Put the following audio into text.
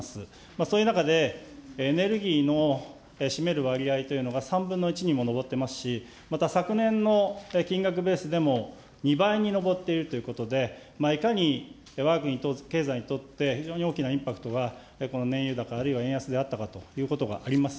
そういう中でエネルギーの占める割合というのが３分の１にも上ってますし、また昨年の金額ベースでも２倍に上っているということで、いかにわが国と経済にとって非常に大きなインパクトが燃油高、円安であったかということがあります。